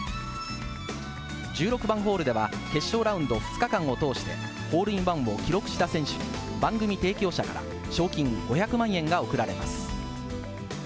１６番ホールでは、決勝ラウンド２日間を通して、ホールインワンを記録した選手に、番組提供者から賞金５００万円が贈られます。